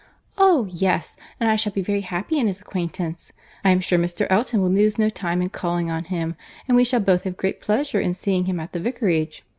"Oh! yes, and I shall be very happy in his acquaintance. I am sure Mr. Elton will lose no time in calling on him; and we shall both have great pleasure in seeing him at the Vicarage."